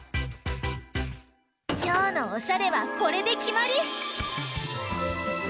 きょうのおしゃれはこれできまり！